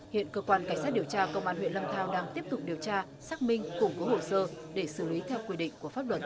hiện cơ quan cảnh sát điều tra công an huyện lâm thao đang tiếp tục điều tra xác minh củng cố hồ sơ để xử lý theo quy định của pháp luật